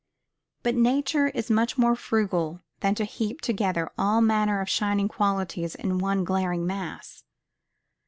But nature is much more frugal than to heap together all manner of shining qualities in one glaring mass.